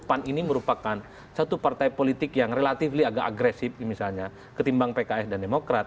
pan ini merupakan satu partai politik yang relatif agak agresif misalnya ketimbang pks dan demokrat